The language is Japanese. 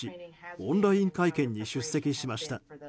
オンライン会見に出席しました。